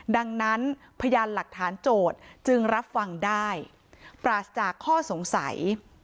ดังนั้นพยานหลักฐานโจทย์จึงรับฟังได้ปราศจากข้อสงสัย